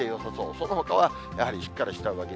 そのほかはやはり、しっかりした上着。